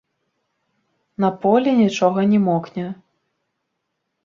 На полі нічога не мокне.